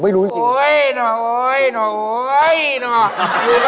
ไปดูหนัง